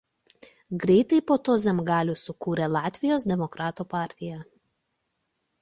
Greitai po to Zemgalis sukūrė Latvijos demokratų partiją.